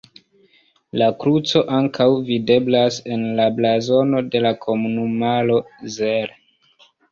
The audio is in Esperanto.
La kruco ankaŭ videblas en la blazono de la komunumaro Zell.